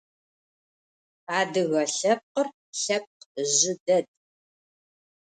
Adıge lhepkhır lhepkh zjı ded.